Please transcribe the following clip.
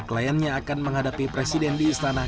kliennya akan menghadapi presiden di istana